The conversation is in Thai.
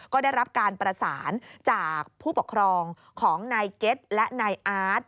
ก็ได้รับการประสานจากผู้ปกครองของนายเก็ตและนายอาร์ต